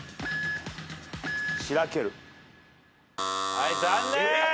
はい残念。